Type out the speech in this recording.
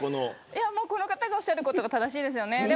この方がおっしゃることが正しいですよね。